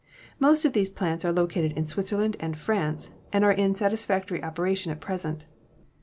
Most of these plants are located in Switzerland and France, and are in satisfac tory operation at present.